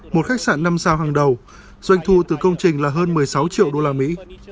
một khách sạn năm sao hàng đầu doanh thu từ công trình là hơn một mươi sáu triệu đô la mỹ